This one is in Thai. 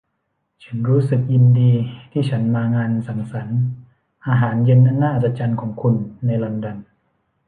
ฉันรู้สึกยินดีที่ฉันมางานสังสรรค์อาหารเย็นอันน่าอัศจรรย์ของคุณในลอนดอน